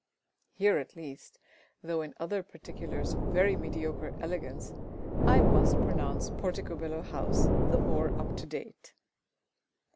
Here, at least, though in other particulars of very mediocre elegance, I must pronounce Porticobello House the more up to date.